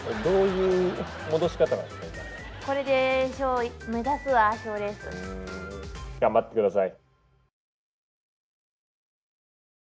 うん頑張ってください。